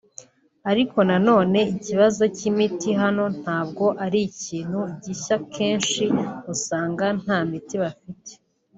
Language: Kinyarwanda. ariko nanone ikibazo cy’imiti hano ntabwo ari ikintu gishya kenshi usanga nta miti bafite